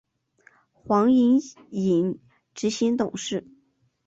黄影影执行董事。